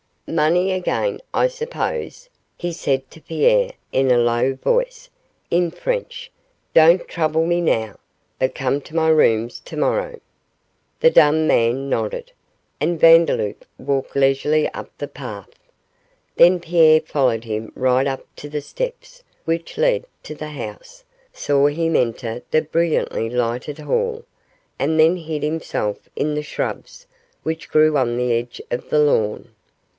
'Money again, I suppose?' he said to Pierre, in a low voice, in French; 'don't trouble me now, but come to my rooms to morrow.' The dumb man nodded, and Vandeloup walked leisurely up the path. Then Pierre followed him right up to the steps which led to the house, saw him enter the brilliantly lighted hall, and then hid himself in the shrubs which grew on the edge of the lawn.